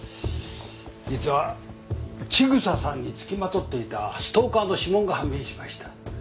実は千草さんに付きまとっていたストーカーの指紋が判明しました。